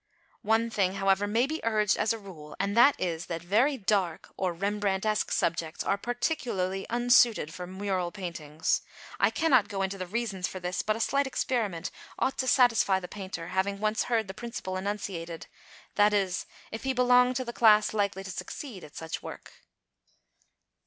One thing, however, may be urged as a rule, and that is, that very dark or Rembrandtesque subjects are particularly unsuited for mural paintings. I cannot go into the reasons for this, but a slight experiment ought to satisfy the painter, having once heard the principle enunciated: that is, if he belong to the class likely to succeed at such work.